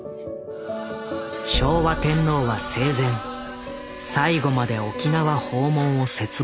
昭和天皇は生前最後まで沖縄訪問を切望していた。